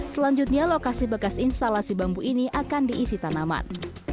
selanjutnya lokasi bekas instalasi bambu ini akan diisi tanaman